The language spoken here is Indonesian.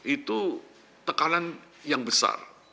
itu tekanan yang besar